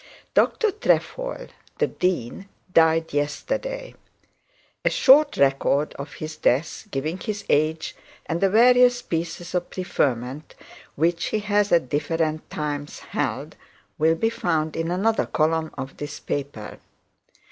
Dr Trefoil, the dean, died yesterday. A short record of his death, giving his age, and the various pieces of preferment which he has at different times held, will be found in another column in this paper.